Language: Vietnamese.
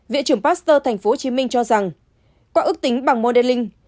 viện trưởng pasteur tp hcm cho rằng qua ước tính bằng moderlin